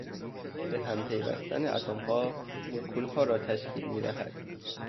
بههم پیوستن اتمها ملکولها را تشکیل میدهد.